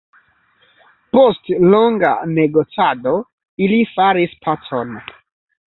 Post longa negocado ili faris pacon.